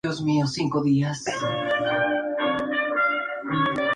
Cargos con numerosos enfrentamientos a lo largo de toda la historia de la institución.